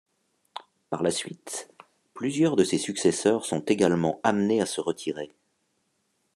Par la suite, plusieurs de ses successeurs sont également amenés à se retirer.